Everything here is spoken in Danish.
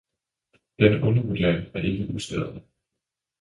Denne undervurdering er ikke uskadelig.